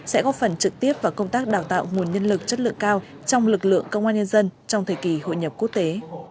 sẽ góp phần trực tiếp vào công tác đào tạo nguồn nhân lực chất lượng cao trong lực lượng công an nhân dân trong thời kỳ hội nhập quốc tế